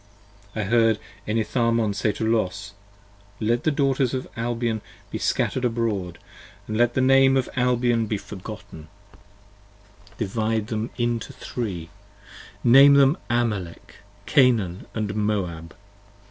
I heard Enitharmon say to Los : Let the Daughters of Albion Be scatter'd abroad and let the name of Albion be forgotten : 100 Divide them into three; name them Amalek, Canaan & Moab.